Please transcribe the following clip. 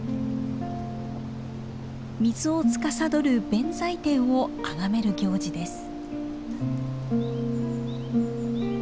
水をつかさどる弁財天をあがめる行事です。